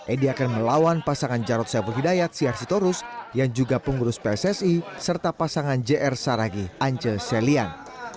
edy akan melawan pasangan jarod sefer hidayat siasitorus yang juga pengurus pssi serta pasangan jr saragi ancel selian